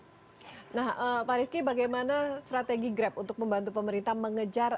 nah pak rizky bagaimana strategi grab untuk membantu pemerintah mengejar